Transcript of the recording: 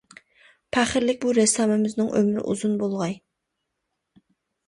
پەخىرلىك بۇ رەسسامىمىزنىڭ ئۆمرى ئۇزۇن بولغاي!